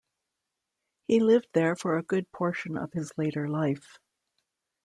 He lived there for a good portion of his later life.